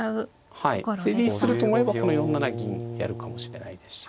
成立すると思えばこの４七銀やるかもしれないですし。